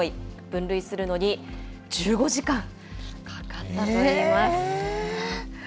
分類するのに１５時間かかったといいます。